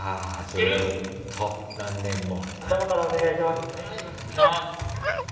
ずっと何年も。